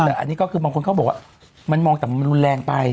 แต่อันนี้ก็คือบางคนเขาบอกว่ามันมองแต่มันรุนแรงไป